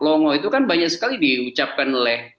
longo itu kan banyak sekali diucapkan oleh